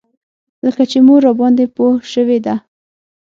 لکه چې مور راباندې پوه شوې ده.